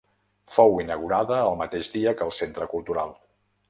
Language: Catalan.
Fou inaugurada el mateix dia que el Centre Cultural.